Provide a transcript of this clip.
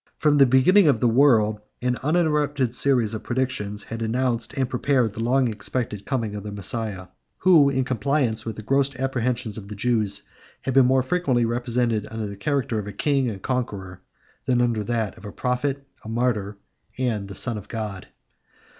From the beginning of the world, an uninterrupted series of predictions had announced and prepared the long expected coming of the Messiah, who, in compliance with the gross apprehensions of the Jews, had been more frequently represented under the character of a King and Conqueror, than under that of a Prophet, a Martyr, and the Son of God.